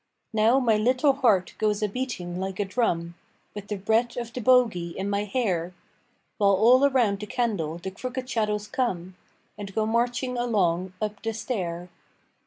Now my little heart goes a beating like a drum, With the breath of the bogie in my hair, While all around the candle the crooked shadows come And go marching along up the stair.